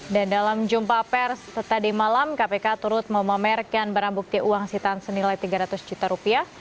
dan dalam jumpa pers tadi malam kpk turut memamerkan barang bukti uang sitan senilai tiga ratus juta rupiah